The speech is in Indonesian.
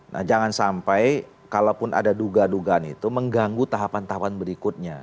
nah jangan sampai kalaupun ada duga dugaan itu mengganggu tahapan tahapan berikutnya